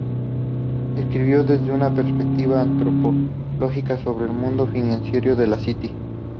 Escribió desde una perspectiva antropológica sobre el mundo financiero de la City.